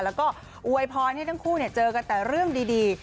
แล้วก็อวยพรให้ทั้งคู่เจอกันแต่เรื่องดี